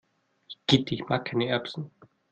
Igitt, ich mag keine Erbsen!